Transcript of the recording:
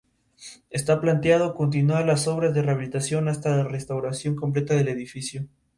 Está planteado continuar las obras de rehabilitación hasta la restauración completa del edificio.